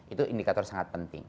itu indikator sangat penting